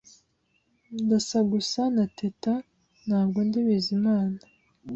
Ndasa gusa na Teta. Ntabwo ndi Bizimana